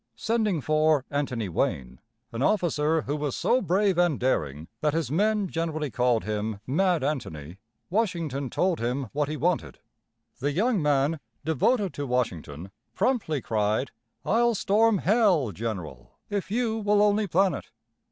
Sending for Anthony Wayne, an officer who was so brave and daring that his men generally called him "Mad Anthony," Washington told him what he wanted. The young man, devoted to Washington, promptly cried: "I'll storm hell, general, if you will only plan it!"